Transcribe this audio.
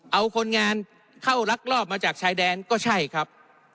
เอาคนงานเข้าลักลอบมาจากชายแดนก็ใช่ครับ